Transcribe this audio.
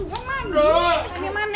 cari duitnya mandi